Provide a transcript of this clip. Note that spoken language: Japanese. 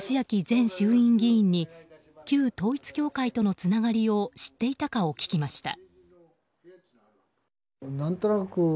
前衆院議員に旧統一教会とのつながりを知っていたかを聞きました。